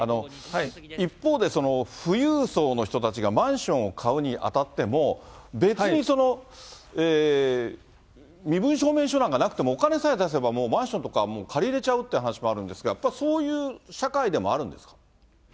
一方で富裕層の人たちがマンションを買うにあたっても、別に身分証明書なんかなくてもお金さえ出せば、もうマンションとか借りれちゃうって話もあるんですが、やっぱりそういう社会でもあるんですか。